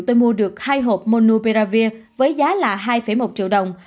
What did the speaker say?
tôi mua được hai hộp monupiravir với giá là hai một triệu đồng